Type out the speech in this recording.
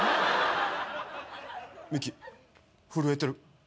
ミキ震えてる。